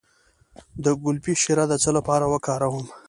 د ګلپي شیره د څه لپاره وکاروم؟